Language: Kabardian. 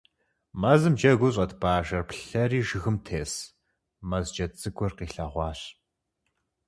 Мэзым джэгуу щӀэт Бажэр плъэри жыгым тес, Мэз джэд цӀыкӀур къилъэгъуащ.